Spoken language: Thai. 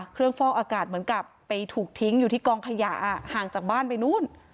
ฟอกอากาศเหมือนกับไปถูกทิ้งอยู่ที่กองขยะห่างจากบ้านไปนู่น